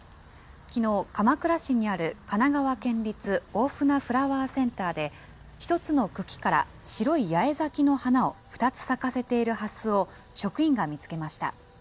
きのう、鎌倉市にある神奈川県立大船フラワーセンターで、１つの茎から白い八重咲きの花を２つ咲かせているハスを、職員が見つけました。